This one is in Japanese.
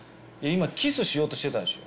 今キスしようとしてたでしょ？